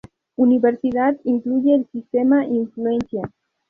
Universidad incluye el sistema Influencia.